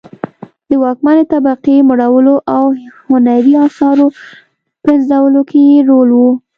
د واکمنې طبقې مړولو او هنري اثارو پنځولو کې یې رول و